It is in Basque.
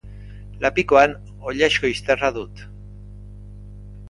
Lapikoan oilasko izterra dut.